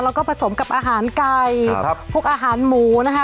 แล้วก็ผสมกับอาหารไก่ครับพวกอาหารหมูนะคะ